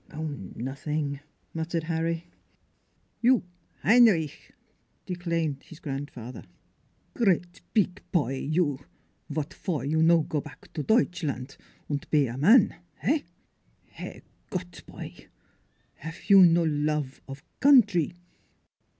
" Oh, nothing," muttered Harry. 1 You Heinrich !" declaimed his grandfather. " Grate pig poy you vat for you not go pack t' Dcutschlandt an' pe a man heh? Herr Gott, poy! haf you no lofe of coundry?